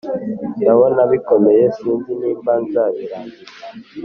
Ndabona bikomeye sinzi nimba nzabirangiza